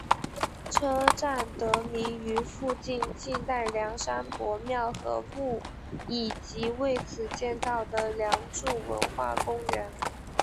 车站得名于附近晋代梁山伯庙和墓以及为此建造的梁祝文化公园。